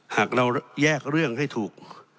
หากเราแยกเรื่องให้ถูก